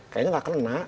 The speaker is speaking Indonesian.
kayaknya nggak kena